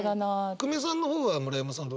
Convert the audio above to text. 久米さんの方は村山さんどうですか？